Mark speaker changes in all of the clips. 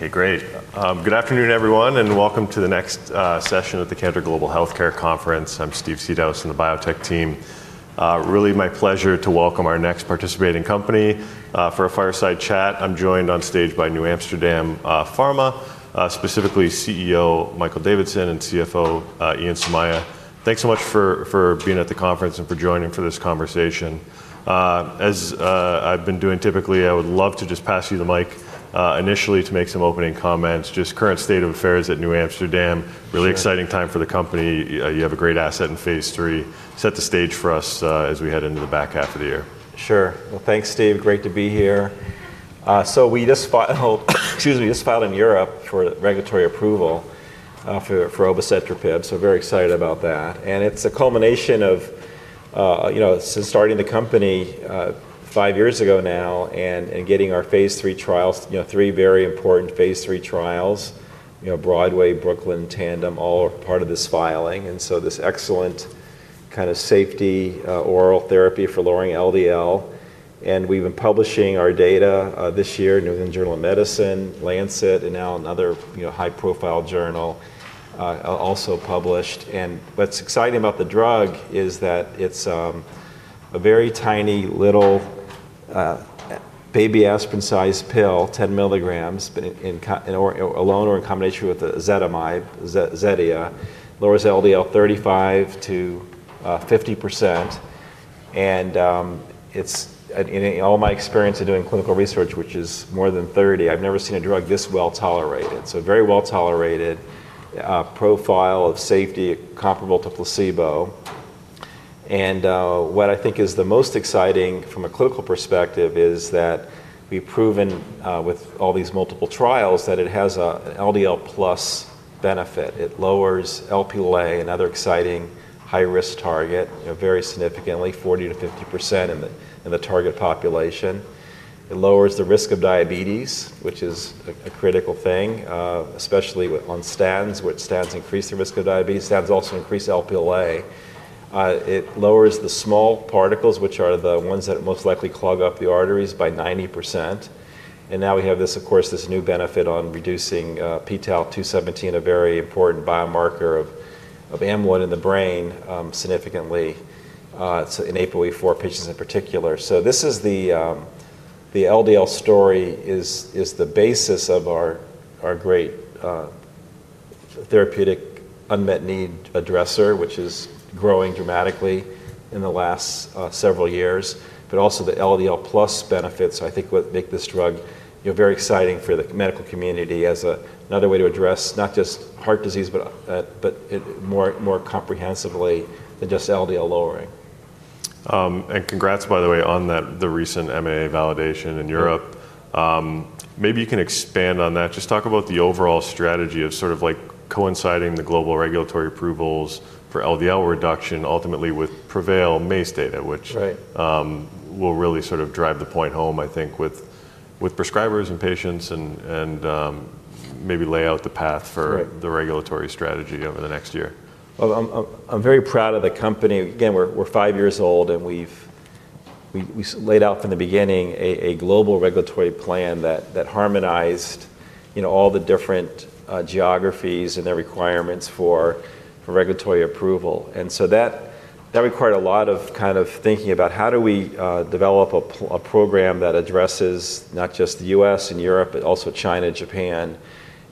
Speaker 1: Okay, great. Good afternoon, everyone, and welcome to the next session of the Canada Global Health Care Conference. I'm Steve Siedows, and the biotech team. Really, my pleasure to welcome our next participating company for a fireside chat. I'm joined on stage by NewAmsterdam Pharma, specifically CEO Michael Davidson and CFO Ian Somaiya. Thanks so much for being at the conference and for joining for this conversation. As I've been doing typically, I would love to just pass you the mic initially to make some opening comments. Just current state of affairs at NewAmsterdam, really exciting time for the company. You have a great asset in phase 3. Set the stage for us as we head into the back half of the year.
Speaker 2: Sure. Thanks, Steve. Great to be here. We just filed in Europe for regulatory approval for obicetrapib, so very excited about that. It's a culmination of starting the company five years ago now and getting our Phase 3 trials, three very important Phase 3 trials, BROADWAY, BROOKLYN, TANDEM, all part of this filing. This excellent kind of safety oral therapy for lowering LDL. We've been publishing our data this year in the New England Journal of Medicine, Lancet, and now another high-profile journal also published. What's exciting about the drug is that it's a very tiny little baby aspirin-sized pill, 10 milligrams, alone or in combination with ezetimibe, Zetia, lowers LDL 35 to 50%. In all my experience of doing clinical research, which is more than 30 years, I've never seen a drug this well tolerated. Very well tolerated profile of safety comparable to placebo. What I think is the most exciting from a clinical perspective is that we've proven with all these multiple trials that it has an LDL plus benefit. It lowers Lp(a), another exciting high-risk target, very significantly, 40 to 50% in the target population. It lowers the risk of diabetes, which is a critical thing, especially on statins, which statins increase the risk of diabetes. Statins also increase Lp(a). It lowers the small LDL particles, which are the ones that most likely clog up the arteries, by 90%. Now we have this new benefit on reducing pTau-217, a very important biomarker of M1 in the brain, significantly. It's enabled for patients in particular. The LDL story is the basis of our great therapeutic unmet need addresser, which is growing dramatically in the last several years, but also the LDL plus benefits. I think what makes this drug very exciting for the medical community is another way to address not just heart disease, but more comprehensively than just LDL lowering.
Speaker 1: Congratulations, by the way, on the recent MA validation in Europe. Maybe you can expand on that. Just talk about the overall strategy of coinciding the global regulatory approvals for LDL reduction ultimately with PREVAIL MACE data, which will really drive the point home, I think, with prescribers and patients, and maybe lay out the path for the regulatory strategy over the next year.
Speaker 2: I'm very proud of the company. We're five years old and we've laid out from the beginning a global regulatory plan that harmonized all the different geographies and their requirements for regulatory approval. That required a lot of thinking about how do we develop a program that addresses not just the U.S. and Europe, but also China and Japan.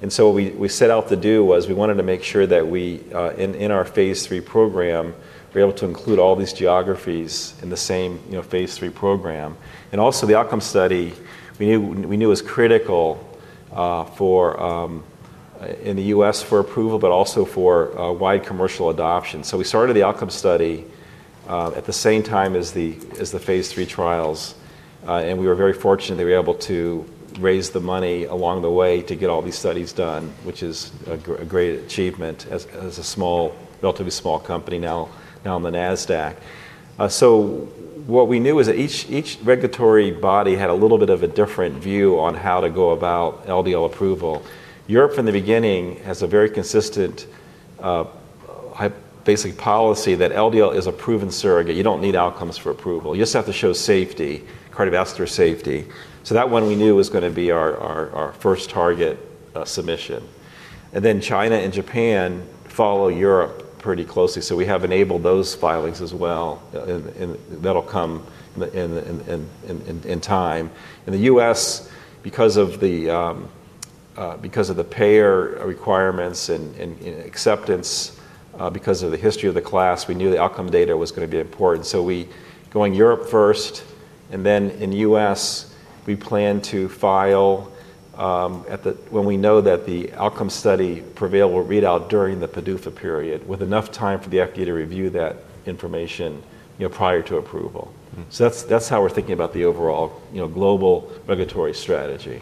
Speaker 2: What we set out to do was we wanted to make sure that we, in our Phase 3 program, were able to include all these geographies in the same Phase 3 program. Also, the outcome study we knew was critical in the U.S. for approval, but also for wide commercial adoption. We started the outcome study at the same time as the Phase 3 trials. We were very fortunate that we were able to raise the money along the way to get all these studies done, which is a great achievement as a relatively small company now on the NASDAQ. What we knew is that each regulatory body had a little bit of a different view on how to go about LDL approval. Europe from the beginning has a very consistent basic policy that LDL is a proven surrogate. You don't need outcomes for approval. You just have to show safety, cardiovascular safety. That one we knew was going to be our first target submission. China and Japan follow Europe pretty closely. We have enabled those filings as well, and that'll come in time. The U.S., because of the payer requirements and acceptance, because of the history of the class, we knew the outcome data was going to be important. We're going Europe first. In the U.S., we plan to file when we know that the outcome study PREVAIL will read out during the PDUFA period with enough time for the FDA to review that information prior to approval. That's how we're thinking about the overall global regulatory strategy.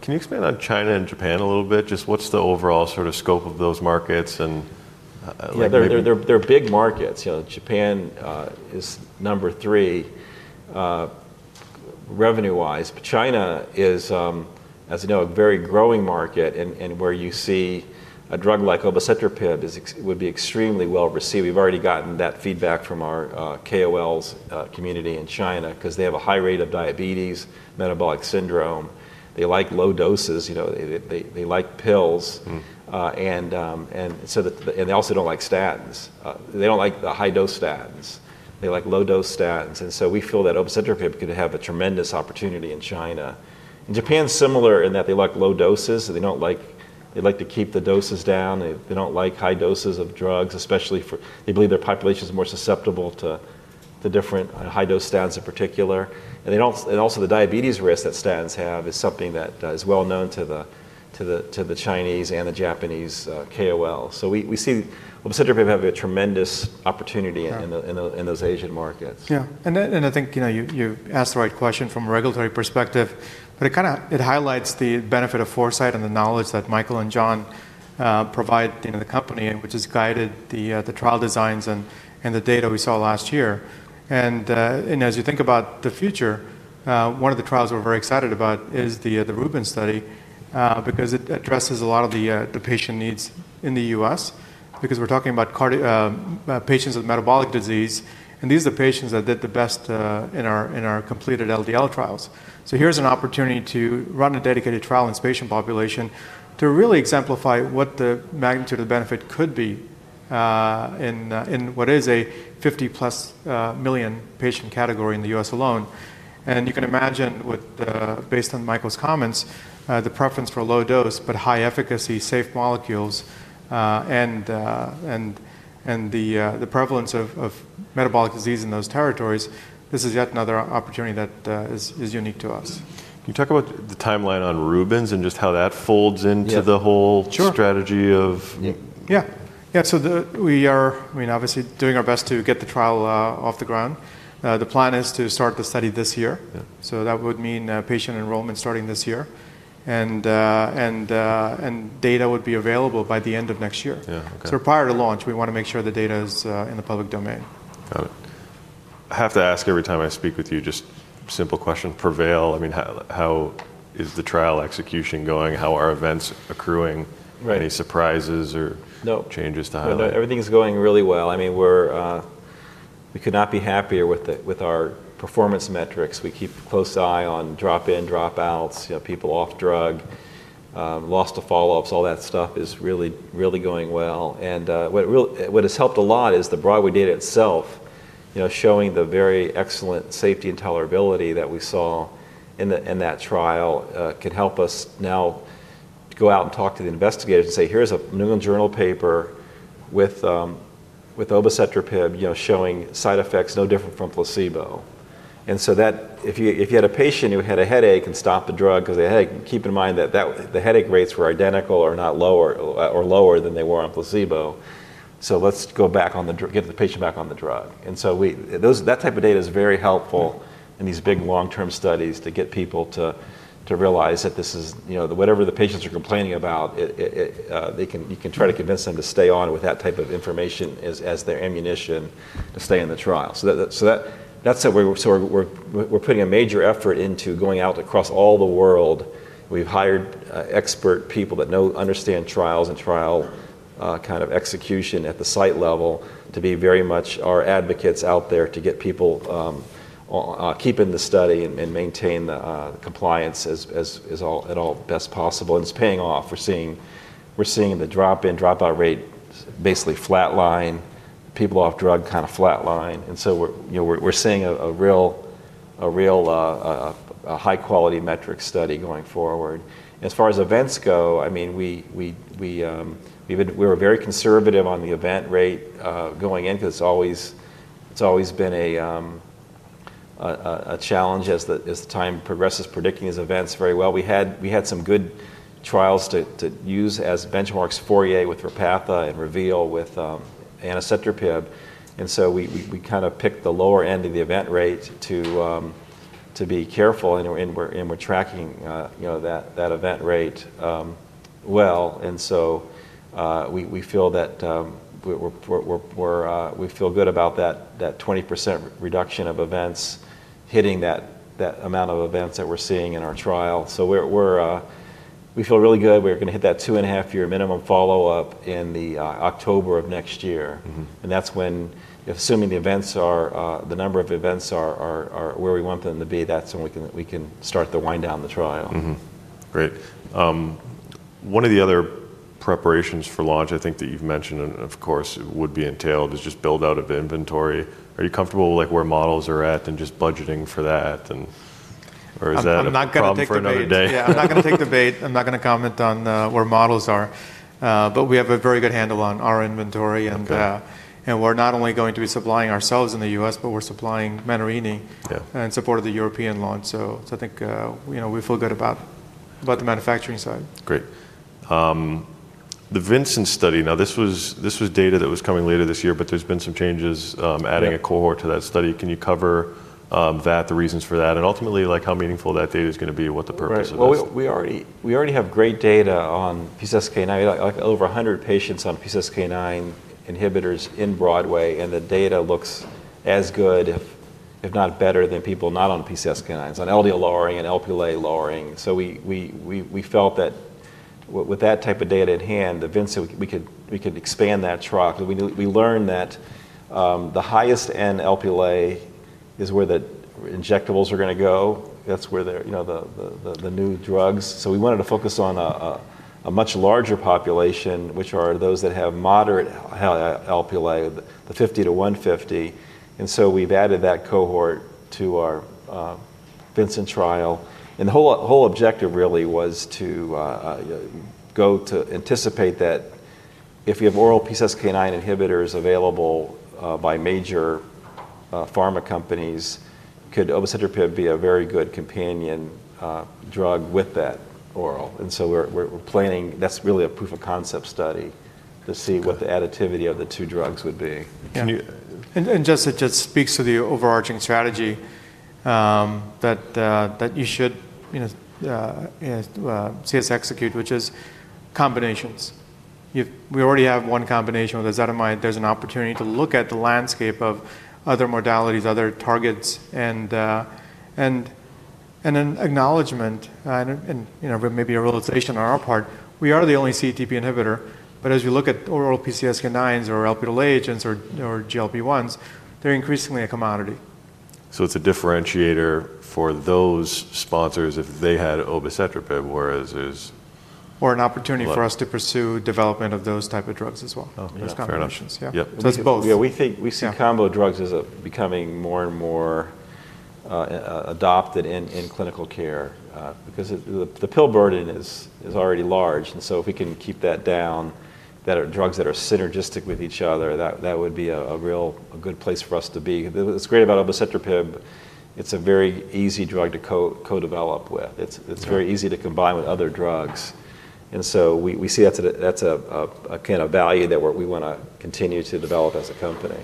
Speaker 1: Can you expand on China and Japan a little bit? Just what's the overall sort of scope of those markets?
Speaker 2: Yeah, they're big markets. You know, Japan is number three revenue-wise. China is, as you know, a very growing market where you see a drug like obicetrapib would be extremely well received. We've already gotten that feedback from our KOLs community in China because they have a high rate of diabetes, metabolic syndrome. They like low doses, they like pills. They also don't like statins, they don't like the high-dose statins, they like low-dose statins. We feel that obicetrapib could have a tremendous opportunity in China. Japan's similar in that they like low doses, they like to keep the doses down. They don't like high doses of drugs, especially for, they believe their population is more susceptible to different high-dose statins in particular. The diabetes risk that statins have is something that is well known to the Chinese and the Japanese KOLs. We see obicetrapib having a tremendous opportunity in those Asian markets.
Speaker 3: Yeah, I think you asked the right question from a regulatory perspective. It highlights the benefit of foresight and the knowledge that Michael and John provide in the company, which has guided the trial designs and the data we saw last year. As you think about the future, one of the trials we're very excited about is the RUBIN study because it addresses a lot of the patient needs in the U.S. We're talking about patients with metabolic disease, and these are the patients that did the best in our completed LDL trials. Here's an opportunity to run a dedicated trial in this patient population to really exemplify what the magnitude of the benefit could be in what is a 50+ million patient category in the U.S. alone. You can imagine, based on Michael's comments, the preference for low dose but high efficacy, safe molecules, and the prevalence of metabolic disease in those territories. This is yet another opportunity that is unique to us.
Speaker 1: Can you talk about the timeline on RUBIN and just how that folds into the whole strategy of?
Speaker 3: Yeah. We are, I mean, obviously doing our best to get the trial off the ground. The plan is to start the study this year, which would mean patient enrollment starting this year, and data would be available by the end of next year.
Speaker 1: Yeah. Okay.
Speaker 3: Prior to launch, we want to make sure the data is in the public domain.
Speaker 1: Got it. I have to ask every time I speak with you, just simple questions. PREVAIL, I mean, how is the trial execution going? How are events accruing? Any surprises or changes to highlight?
Speaker 2: No, everything's going really well. I mean, we could not be happier with our performance metrics. We keep a close eye on drop-in, drop-outs, people off drug, loss to follow-ups. All that stuff is really, really going well. What has helped a lot is the BROADWAY data itself, you know, showing the very excellent safety and tolerability that we saw in that trial can help us now go out and talk to the investigators and say, here's a New England Journal paper with obicetrapib, you know, showing side effects no different from placebo. If you had a patient who had a headache and stopped the drug because of the headache, keep in mind that the headache rates were identical or lower than they were on placebo. Let's go back on the drug, get the patient back on the drug. That type of data is very helpful in these big long-term studies to get people to realize that this is, you know, whatever the patients are complaining about, you can try to convince them to stay on with that type of information as their ammunition to stay in the trial. That's where we're putting a major effort into going out across all the world. We've hired expert people that understand trials and trial kind of execution at the site level to be very much our advocates out there to get people keeping the study and maintaining the compliance as at all best possible. It's paying off. We're seeing the drop-in, drop-out rate basically flat line, people off drug kind of flat line. We're seeing a real high-quality metric study going forward. As far as events go, I mean, we were very conservative on the event rate going in because it's always been a challenge as time progresses, predicting these events very well. We had some good trials to use as benchmarks, FOURIER with Repatha and REVEAL with anacetrapib. We kind of picked the lower end of the event rate to be careful. We're tracking, you know, that event rate well. We feel good about that 20% reduction of events hitting that amount of events that we're seeing in our trial. We feel really good. We're going to hit that two and a half year minimum follow-up in October of next year. That's when, assuming the events are, the number of events are where we want them to be, that's when we can start to wind down the trial.
Speaker 1: Great. One of the other preparations for launch, I think that you've mentioned and of course would be entailed, is just build out of inventory. Are you comfortable with where models are at and just budgeting for that?
Speaker 3: I'm not going to take the bait. I'm not going to take the bait. I'm not going to comment on where models are. We have a very good handle on our inventory, and we're not only going to be supplying ourselves in the U.S., but we're supplying Menarini in support of the European launch. I think we feel good about the manufacturing side.
Speaker 1: Great. The VINCENT trial, now this was data that was coming later this year, but there's been some changes adding a cohort to that study. Can you cover that, the reasons for that, and ultimately like how meaningful that data is going to be, what the purpose of it is?
Speaker 2: We already have great data on PCSK9. We have over 100 patients on PCSK9 inhibitors in BROADWAY, and the data looks as good, if not better, than people not on PCSK9. It's on LDL lowering and Lp(a) lowering. We felt that with that type of data at hand, the VINCENT, we could expand that track. We learned that the highest end Lp(a) is where the injectables are going to go. That's where the new drugs are. We wanted to focus on a much larger population, which are those that have moderate Lp(a), the 50 to 150. We've added that cohort to our VINCENT trial. The whole objective really was to anticipate that if you have oral PCSK9 inhibitors available by major pharma companies, could obicetrapib be a very good companion drug with that oral. We're planning, that's really a proof of concept study to see what the additivity of the two drugs would be.
Speaker 3: That just speaks to the overarching strategy that you should see us execute, which is combinations. We already have one combination with ezetimibe. There's an opportunity to look at the landscape of other modalities, other targets, and an acknowledgment and maybe a realization on our part. We are the only CETP inhibitor. As you look at oral PCSK9s or Lp(a) agents or GLP-1s, they're increasingly a commodity.
Speaker 1: It is a differentiator for those sponsors if they had obicetrapib, whereas there is.
Speaker 3: is an opportunity for us to pursue development of those types of drugs as well.
Speaker 1: Oh, yeah.
Speaker 3: Yeah, we think combo drugs is becoming more and more adopted in clinical care because the pill burden is already large. If we can keep that down, that are drugs that are synergistic with each other, that would be a real good place for us to be. What's great about obicetrapib, it's a very easy drug to co-develop with. It's very easy to combine with other drugs. We see that's a kind of value that we want to continue to develop as a company.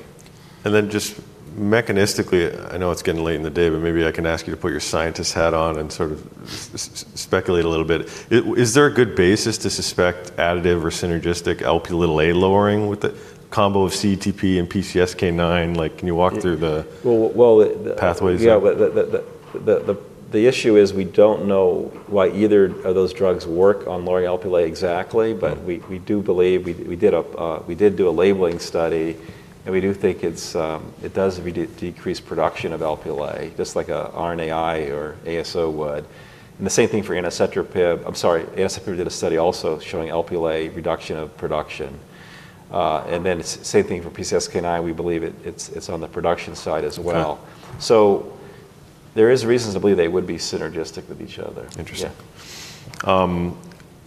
Speaker 1: Mechanistically, I know it's getting late in the day, but maybe I can ask you to put your scientist hat on and sort of speculate a little bit. Is there a good basis to suspect additive or synergistic Lp(a) lowering with the combo of CETP and PCSK9? Can you walk through the pathways?
Speaker 2: Yeah, the issue is we don't know why either of those drugs work on lowering Lp(a) exactly, but we do believe we did do a labeling study. We do think it does decrease production of Lp(a), just like an RNAi or ASO would. The same thing for obicetrapib. I'm sorry, obicetrapib did a study also showing Lp(a) reduction of production. The same thing for PCSK9. We believe it's on the production side as well. There are reasons to believe they would be synergistic with each other.
Speaker 1: Interesting.
Speaker 2: Yeah.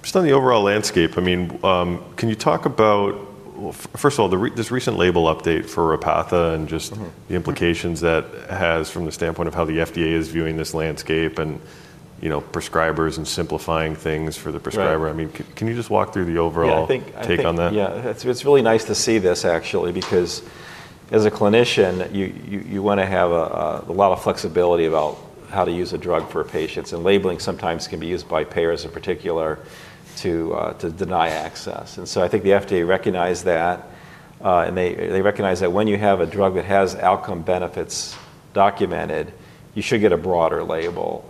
Speaker 1: Just on the overall landscape, can you talk about, first of all, this recent label update for Repatha and the implications that it has from the standpoint of how the FDA is viewing this landscape and, you know, prescribers and simplifying things for the prescriber? Can you walk through the overall take on that?
Speaker 2: Yeah, I think it's really nice to see this actually because as a clinician, you want to have a lot of flexibility about how to use a drug for patients. Labeling sometimes can be used by payers in particular to deny access. I think the FDA recognized that. They recognize that when you have a drug that has outcome benefits documented, you should get a broader label.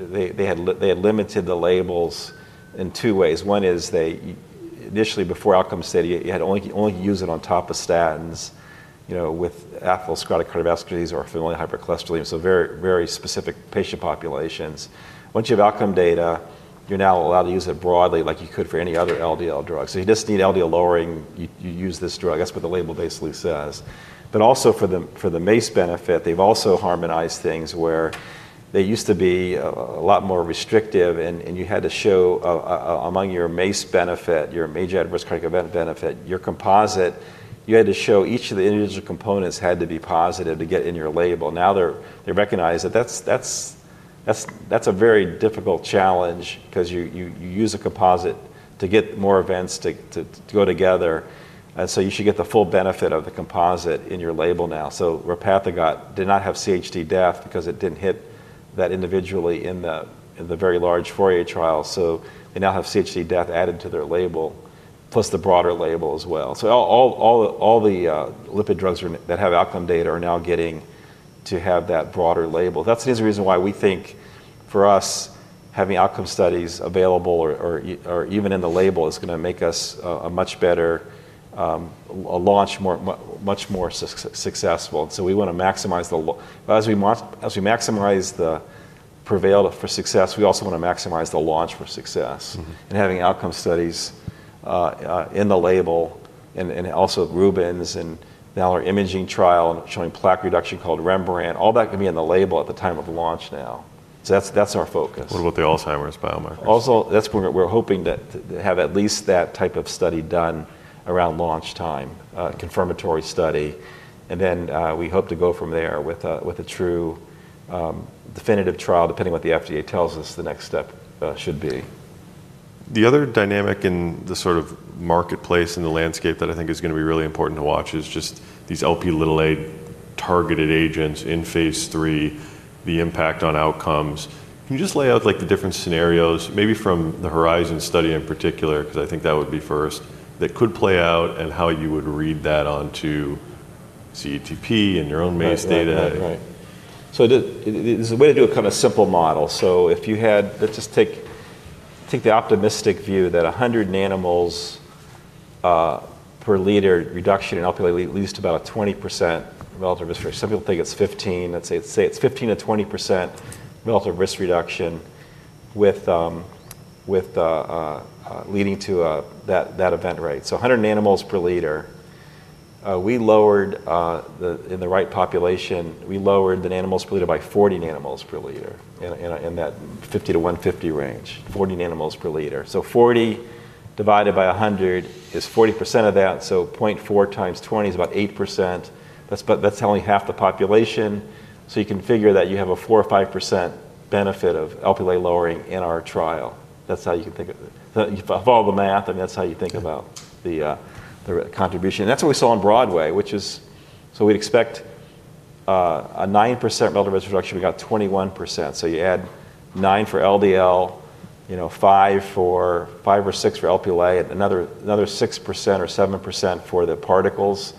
Speaker 2: They had limited the labels in two ways. One is they initially, before outcome study, you had only use it on top of statins with atherosclerotic cardiovascular disease or familial hypercholesterolemia, so very, very specific patient populations. Once you have outcome data, you're now allowed to use it broadly like you could for any other LDL drug. You just need LDL lowering, you use this drug. That's what the label basically says. Also, for the MACE benefit, they've also harmonized things where they used to be a lot more restrictive. You had to show among your MACE benefit, your major adverse cardiac event benefit, your composite, you had to show each of the individual components had to be positive to get in your label. Now they recognize that that's a very difficult challenge because you use a composite to get more events to go together. You should get the full benefit of the composite in your label now. Repatha did not have CHD death because it didn't hit that individually in the very large FOURIER trial. They now have CHD death added to their label, plus the broader label as well. All the lipid drugs that have outcome data are now getting to have that broader label. That's the reason why we think for us having outcome studies available or even in the label is going to make us a much better launch, much more successful. We want to maximize the, as we maximize the PREVAIL for success, we also want to maximize the launch for success. Having outcome studies in the label and also RUBINs and now our imaging trial showing plaque reduction called REMBRANDT, all that can be in the label at the time of launch now. That's our focus.
Speaker 1: What about the Alzheimer’s biomarker?
Speaker 2: That's where we're hoping to have at least that type of study done around launch time, confirmatory study. We hope to go from there with a true definitive trial, depending on what the FDA tells us the next step should be.
Speaker 1: The other dynamic in the sort of marketplace and the landscape that I think is going to be really important to watch is just these Lp(a) targeted agents in Phase 3, the impact on outcomes. Can you just lay out like the different scenarios, maybe from the HORIZON study in particular, because I think that would be first, that could play out and how you would read that onto CETP and your own MACE data?
Speaker 2: Right, right, right. There's a way to do a kind of simple model. If you had, let's just take the optimistic view that 100 nanomoles per liter reduction in Lp(a) leads to about a 20% relative risk. Some people think it's 15. Let's say it's 15 to 20% relative risk reduction with leading to that event rate. So 100 nanomoles per liter, we lowered in the right population, we lowered the nanomoles per liter by 40 nanomoles per liter in that 50 to 150 range, 40 nanomoles per liter. So 40 divided by 100 is 40% of that. 0.4 times 20 is about 8%. That's only half the population. You can figure that you have a 4 or 5% benefit of Lp(a) lowering in our trial. That's how you can think of it. If I follow the math, that's how you think about the contribution. That's what we saw on BROADWAY, which is, we'd expect a 9% relative risk reduction. We got 21%. You add 9% for LDL, 5% or 6% for Lp(a), and another 6% or 7% for the particles,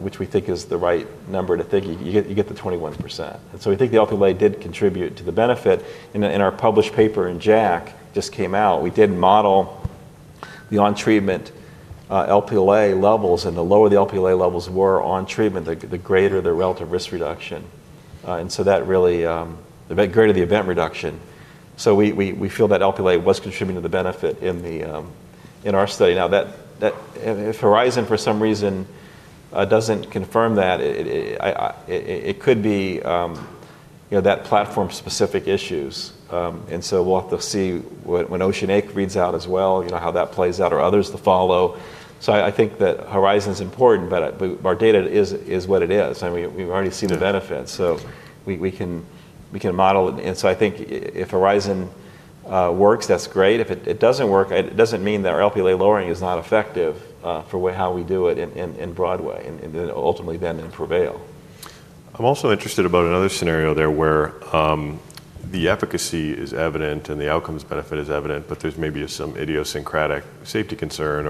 Speaker 2: which we think is the right number to think. You get the 21%. We think the Lp(a) did contribute to the benefit. In our published paper in JACC just came out, we did model the on-treatment Lp(a) levels. The lower the Lp(a) levels were on treatment, the greater the relative risk reduction. That really, the greater the event reduction. We feel that Lp(a) was contributing to the benefit in our study. If HORIZON for some reason doesn't confirm that, it could be that platform-specific issues. We'll have to see when OCEAN(a) reads out as well, how that plays out or others to follow. I think that HORIZON is important, but our data is what it is. We've already seen the benefits. We can model. I think if HORIZON works, that's great. If it doesn't work, it doesn't mean that our Lp(a) lowering is not effective for how we do it in BROADWAY and ultimately then in PREVAIL.
Speaker 1: I'm also interested about another scenario there where the efficacy is evident and the outcomes benefit is evident, but there's maybe some idiosyncratic safety concern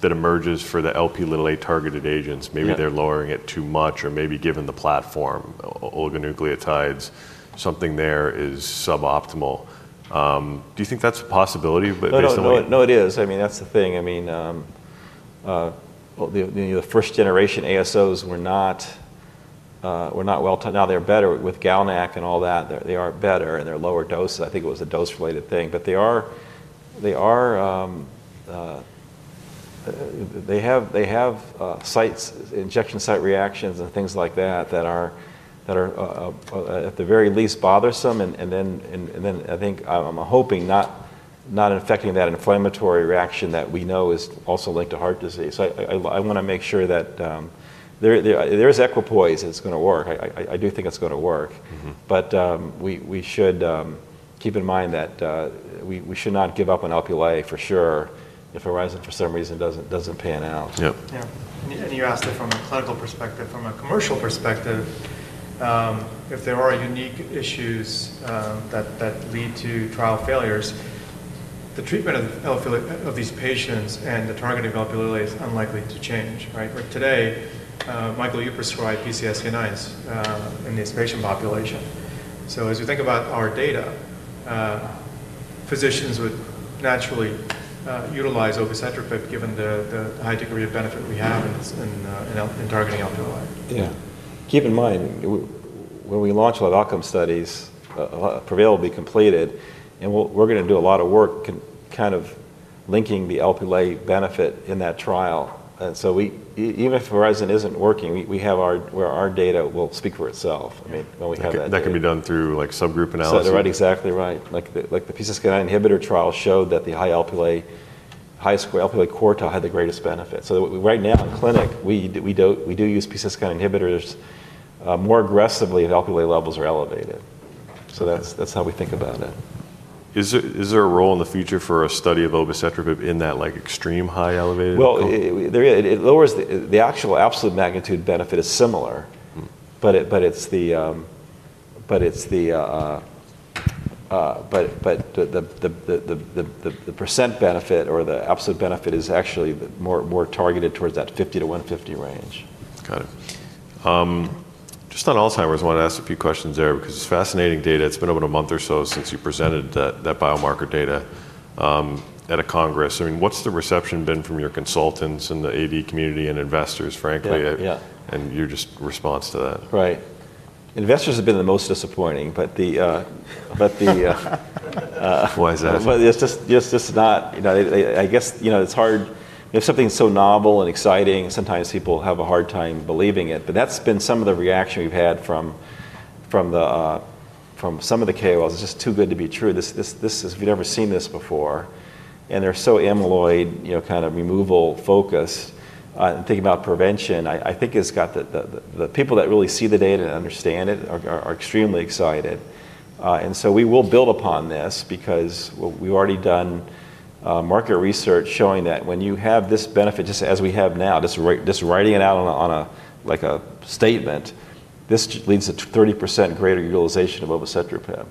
Speaker 1: that emerges for the Lp(a) targeted agents. Maybe they're lowering it too much or maybe given the platform, oligonucleotides, something there is suboptimal. Do you think that's a possibility?
Speaker 2: No, it is. I mean, that's the thing. The first generation ASOs were not well. Now they're better with GALNAC and all that. They are better and they're lower doses. I think it was a dose-related thing. They have injection site reactions and things like that that are, at the very least, bothersome. I think I'm hoping not infecting that inflammatory reaction that we know is also linked to heart disease. I want to make sure that there's equipoise that's going to work. I do think it's going to work. We should keep in mind that we should not give up on Lp(a) for sure if Horizon, for some reason, doesn't pan out.
Speaker 3: You asked if from a clinical perspective, from a commercial perspective, if there are unique issues that lead to trial failures, the treatment of these patients and the targeting of Lp(a) is unlikely to change, right? Like today, Michael, you prescribe PCSK9s in this patient population. As we think about our data, physicians would naturally utilize obicetrapib given the high degree of benefit we have in targeting Lp(a).
Speaker 2: Yeah. Keep in mind, when we launch all the outcome studies, PREVAIL will be completed. We're going to do a lot of work linking the Lp(a) benefit in that trial. Even if Horizon isn't working, our data will speak for itself when we have that.
Speaker 1: That can be done through subgroup analysis.
Speaker 2: That's exactly right. Like the PCSK9 inhibitor trial showed that the highest Lp(a) quartile had the greatest benefit. Right now in clinic, we do use PCSK9 inhibitors more aggressively if Lp(a) levels are elevated. That's how we think about it.
Speaker 1: Is there a role in the future for a study of obicetrapib in that, like, extreme high elevated?
Speaker 2: It lowers the actual absolute magnitude benefit is similar, but the % benefit or the absolute benefit is actually more targeted towards that 50 to 150 range.
Speaker 1: Got it. Just on Alzheimer's, I want to ask a few questions there because it's fascinating data. It's been over a month or so since you presented that biomarker data at a Congress. What's the reception been from your consultants and the AD community and investors, frankly?
Speaker 2: Yeah.
Speaker 1: Your response to that?
Speaker 2: Right. Investors have been the most disappointing, but the
Speaker 1: Why is that?
Speaker 2: It's just not, you know, I guess it's hard. You know, something so novel and exciting, sometimes people have a hard time believing it. That's been some of the reaction we've had from some of the KOLs. It's just too good to be true. We've never seen this before. They're so amyloid, you know, kind of removal focused. Thinking about prevention, I think it's got the people that really see the data and understand it extremely excited. We will build upon this because we've already done market research showing that when you have this benefit, just as we have now, just writing it out on a statement, this leads to 30% greater utilization of obicetrapib.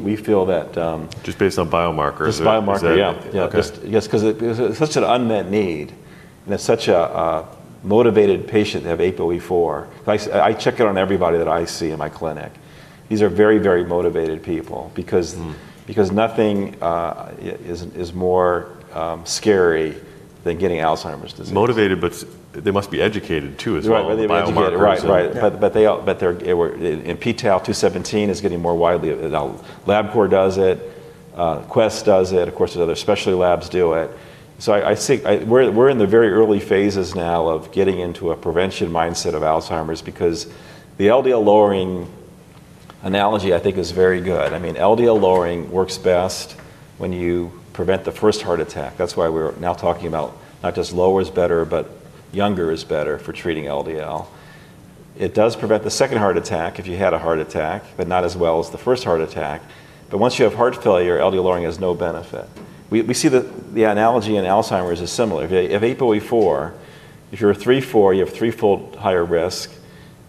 Speaker 2: We feel that.
Speaker 1: Just based on biomarker?
Speaker 2: Just biomarker, yeah.
Speaker 1: Okay.
Speaker 2: Yes, because it's such an unmet need. It's such a motivated patient to have APOE4. I check it on everybody that I see in my clinic. These are very, very motivated people because nothing is more scary than getting Alzheimer's disease.
Speaker 1: Motivated, but they must be educated too as well.
Speaker 2: Right, they're not educated.
Speaker 1: Right, right.
Speaker 2: The pTau-217 is getting more widely. LabCorp does it. Quest does it. Of course, other specialty labs do it. I think we're in the very early phases now of getting into a prevention mindset of Alzheimer's because the LDL lowering analogy I think is very good. I mean, LDL lowering works best when you prevent the first heart attack. That's why we're now talking about not just lower is better, but younger is better for treating LDL. It does prevent the second heart attack if you had a heart attack, but not as well as the first heart attack. Once you have heart failure, LDL lowering has no benefit. We see that the analogy in Alzheimer's is similar. If you have APOE4, if you're a 3/4, you have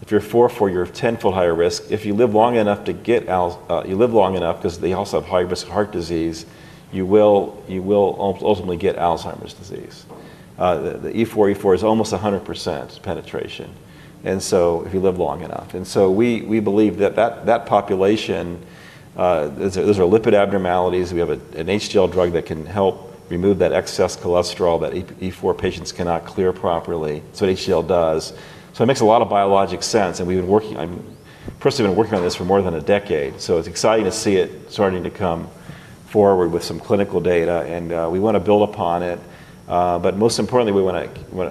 Speaker 2: three-fold higher risk. If you're a 4/4, you have ten-fold higher risk. If you live long enough to get Alzheimer's, you live long enough because they also have high risk of heart disease, you will ultimately get Alzheimer's disease. The E4/E4 is almost 100% penetration if you live long enough. We believe that population, those are lipid abnormalities. We have an HDL drug that can help remove that excess cholesterol that E4 patients cannot clear properly. HDL does. It makes a lot of biologic sense. I've been working on this for more than a decade. It's exciting to see it starting to come forward with some clinical data. We want to build upon it. Most importantly, we want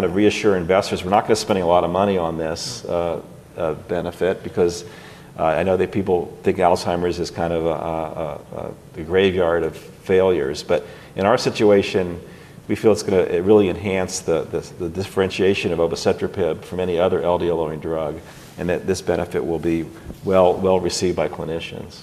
Speaker 2: to reassure investors we're not going to spend a lot of money on this benefit because I know that people think Alzheimer's is kind of the graveyard of failures. In our situation, we feel it's going to really enhance the differentiation of obicetrapib from any other LDL lowering drug, and that this benefit will be well received by clinicians.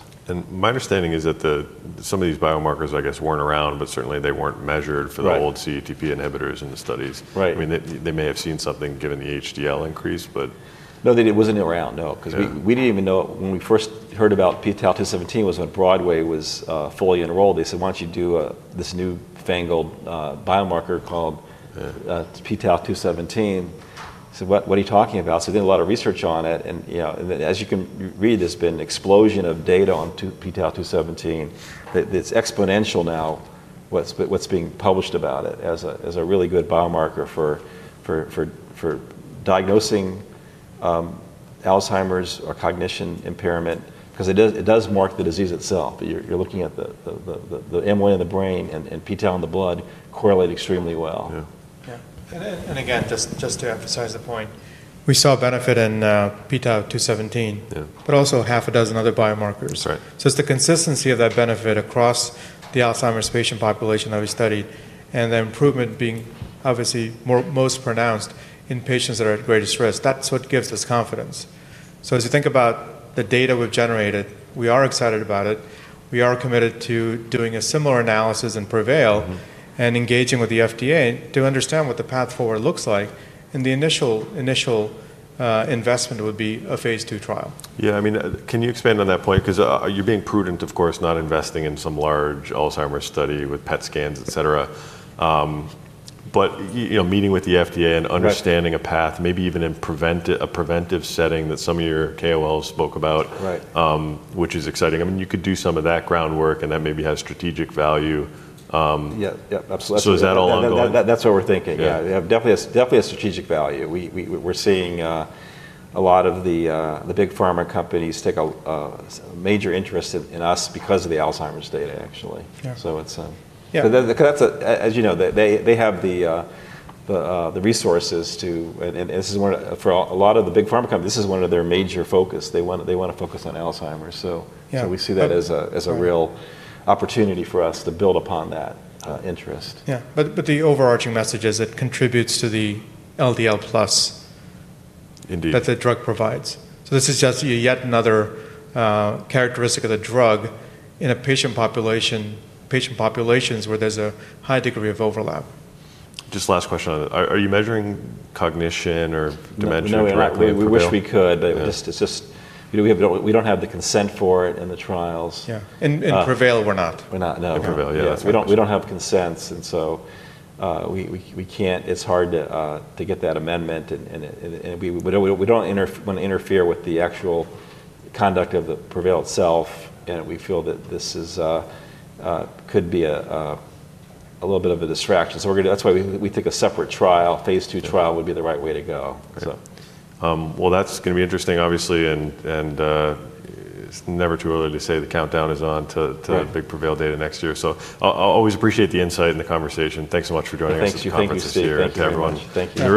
Speaker 1: My understanding is that some of these biomarkers, I guess, weren't around, but certainly they weren't measured for the old CETP inhibitors in the studies.
Speaker 2: Right.
Speaker 1: They may have seen something given the HDL increase.
Speaker 2: No, it wasn't around, no. Because we didn't even know when we first heard about pTau-217 was when BROADWAY was fully enrolled. They said, "Why don't you do this new fangled biomarker called pTau-217?" I said, "What are you talking about?" They did a lot of research on it. You know, as you can read, there's been an explosion of data on pTau-217 that's exponential now. What's being published about it as a really good biomarker for diagnosing Alzheimer's or cognition impairment, because it does mark the disease itself. You're looking at the amyloid in the brain and pTau in the blood correlate extremely well.
Speaker 3: Yeah, just to emphasize the point, we saw a benefit in pTau-217, but also half a dozen other biomarkers.
Speaker 2: Right.
Speaker 3: It is the consistency of that benefit across the Alzheimer's patient population that we studied, and the improvement being obviously most pronounced in patients that are at greatest risk. That is what gives us confidence. As you think about the data we've generated, we are excited about it. We are committed to doing a similar analysis in PREVAIL and engaging with the FDA to understand what the path forward looks like. The initial investment would be a phase 2 trial.
Speaker 1: Yeah, I mean, can you expand on that point? Because you're being prudent, of course, not investing in some large Alzheimer's study with PET scans, et cetera. You know, meeting with the FDA and understanding a path, maybe even in a preventive setting that some of your KOLs spoke about, which is exciting. I mean, you could do some of that groundwork and that maybe has strategic value.
Speaker 2: Yeah, absolutely.
Speaker 1: Is that all on the line?
Speaker 2: That's what we're thinking. Yeah, definitely a strategic value. We're seeing a lot of the big pharma companies take a major interest in us because of the Alzheimer's data, actually.
Speaker 1: Yeah.
Speaker 2: As you know, they have the resources to, and this is one for a lot of the big pharma companies, this is one of their major focuses. They want to focus on Alzheimer's.
Speaker 1: Yeah.
Speaker 2: We see that as a real opportunity for us to build upon that interest.
Speaker 3: Yeah, the overarching message is it contributes to the LDL plus that the drug provides. This is just yet another characteristic of the drug in a patient population, patient populations where there's a high degree of overlap.
Speaker 1: Just last question. Are you measuring cognition or dementia correctly?
Speaker 2: We wish we could, but it's just, you know, we don't have the consent for it in the trials.
Speaker 3: Yeah, in PREVAIL, we're not.
Speaker 2: We're not, no.
Speaker 1: PREVAIL, yeah.
Speaker 2: Yes, we don't have consents, and so we can't, it's hard to get that amendment. We don't want to interfere with the actual conduct of the PREVAIL itself. We feel that this could be a little bit of a distraction. That's why we think a separate trial, phase 2 trial, would be the right way to go.
Speaker 1: That's going to be interesting, obviously. It's never too early to say the countdown is on to the big PREVAIL data next year. I always appreciate the insight and the conversation. Thanks so much for joining us.
Speaker 2: Thank you, Michael.
Speaker 1: Thanks for seeing everyone.
Speaker 2: Thank you.